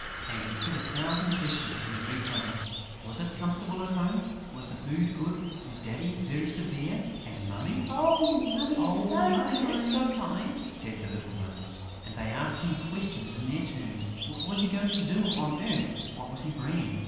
And he put a thousand questions to his big brother: was it comfortable at home? Was the food good? Was Daddy very severe? And Mummy? "Oh, Mummy is so kind!" said the little ones. And they asked him questions in their turn: what was he going to do on earth? What was he bringing?